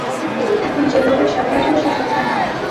এখন যে লোকের সাথে আছ, সে সুবিধার না?